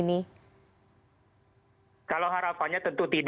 ini akan terpancing tidak dengan adanya lawatan dari nancy pelosi ini